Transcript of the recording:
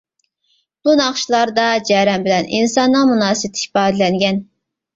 بۇ ناخشىلاردا جەرەن بىلەن ئىنساننىڭ مۇناسىۋىتى ئىپادىلەنگەن.